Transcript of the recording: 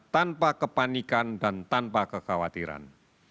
tanpa kepanikan dan tanpa kekhawatiran